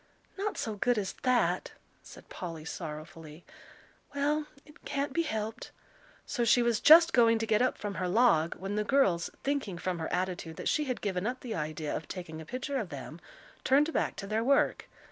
"Not so good as that," said Polly, sorrowfully. "Well, it can't be helped." So she was just going to get up from her log, when the girls, thinking from her attitude that she had given up the idea of taking a picture of them, turned back to their work.